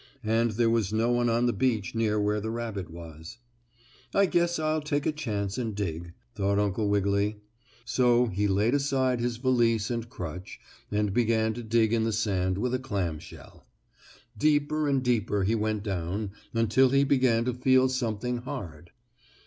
And there was no one on the beach near where the rabbit was. "I guess I'll take a chance and dig," thought Uncle Wiggily. So he laid aside his valise and crutch and began to dig in the sand with a clam shell. Deeper and deeper he went down until he began to feel something hard.